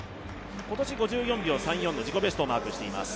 今年５４秒３４の自己ベストをマークしています。